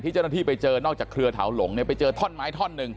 เจ้าหน้าที่ไปเจอนอกจากเครือเถาหลงเนี่ยไปเจอท่อนไม้ท่อนหนึ่ง